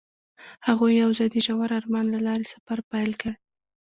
هغوی یوځای د ژور آرمان له لارې سفر پیل کړ.